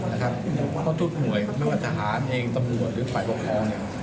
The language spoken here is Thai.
เพราะทุกหน่วยไม่ว่าทหารตำรวจหรือฝ่ายประพอง